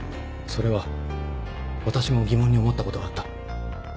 それは私も疑問に思ったことがあった